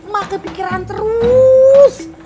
mak kepikiran terus